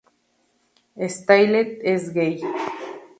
Steele es gay.